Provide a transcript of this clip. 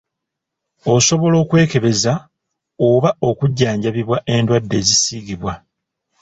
Osobola okwekebeza oba okujjanjabibwa endwadde ezisiigibwa.